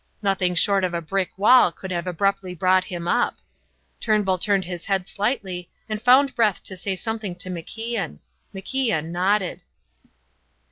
Nothing short of a brick wall could have abruptly brought him up. Turnbull turned his head slightly and found breath to say something to MacIan. MacIan nodded.